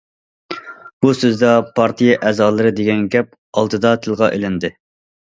بۇ سۆزدە‹‹ پارتىيە ئەزالىرى›› دېگەن گەپ ئالدىدا تىلغا ئېلىندى.